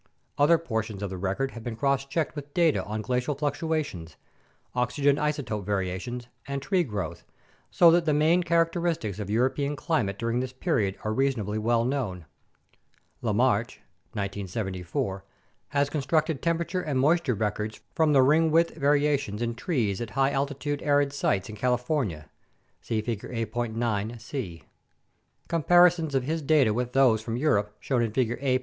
Other portions of the record have been cross checked with data on glacial fluctuations, oxygen isotope variations, and tree growth, so that the main characteristics of European climate during this period are reasonably well known. LaMarche (1974) has constructed temperature and moisture records from the ring width variations in trees at high altitude arid sites in California [see Figure A.9(c)]. Comparisons of his data with those from Europe shown in Figure A.